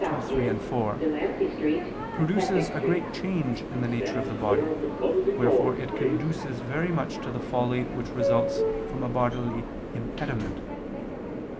2, 3, 4), produces a great change in the nature of the body, wherefore it conduces very much to the folly which results from a bodily impediment.